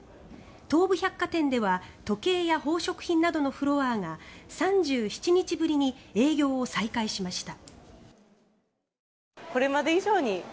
東武百貨店では時計や宝飾品などのフロアが３７日ぶりに営業を再開しました。